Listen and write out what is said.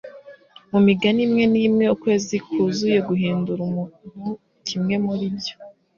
Mu migani imwe n'imwe ukwezi kwuzuye guhindura umuntu kimwe muri ibyo